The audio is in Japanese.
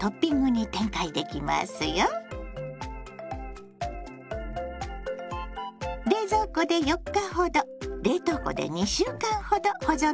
冷蔵庫で４日ほど冷凍庫で２週間ほど保存できますよ。